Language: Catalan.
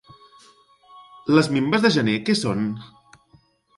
Les minves de gener què són?